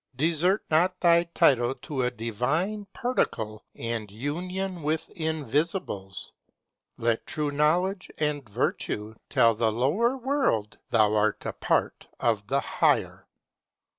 Desert not thy title to a divine particle and union with invisibles. Let true knowledge and virtue tell the lower world thou art a part of the higher.